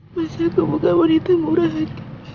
masa kamu gak menitah murahan